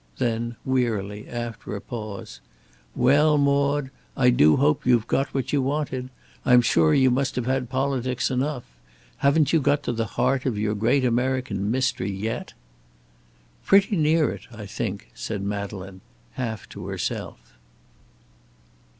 Then, wearily, after a pause: "Well, Maude, I do hope you've got what you wanted. I'm sure you must have had politics enough. Haven't you got to the heart of your great American mystery yet?" "Pretty near it, I think," said Madeleine, half to herself.